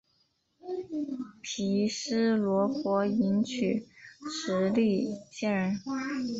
毗尸罗婆迎娶持力仙人。